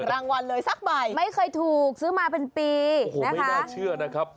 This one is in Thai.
รางวัลเลยสักใบไม่เคยถูกซื้อมาเป็นปีไม่น่าเชื่อนะครับ